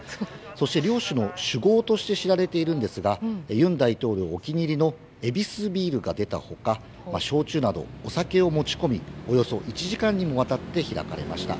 そして、両首脳酒豪として知られているんですが尹大統領お気に入りのエビスビールが出た他焼酎などお酒を持ち込みおよそ１時間にわたって開かれました。